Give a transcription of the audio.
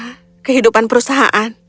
hah kehidupan perusahaan